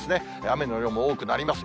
雨の量も多くなります。